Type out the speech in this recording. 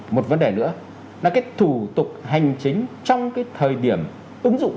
một vấn đề nữa là cái thủ tục hành chính trong cái thời điểm ứng dụng